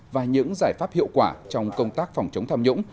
và những giải pháp hiệu quả trong công tác phòng chống tham nhũng